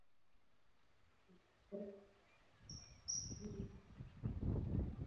Nataka kuzungumza Kiswahili na wewe